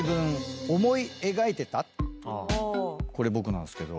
これ僕なんですけど。